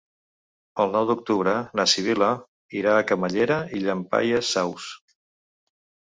El nou d'octubre na Sibil·la irà a Camallera i Llampaies Saus.